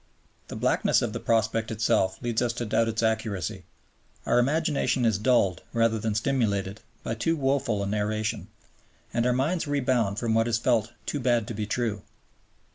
The blackness of the prospect itself leads us to doubt its accuracy; our imagination is dulled rather than stimulated by too woeful a narration, and our minds rebound from what is felt "too bad to be true."